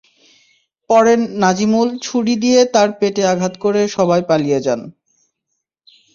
পরে নাজিমুল ছুরি দিয়ে তাঁর পেটে আঘাত করে সবাই পালিয়ে যান।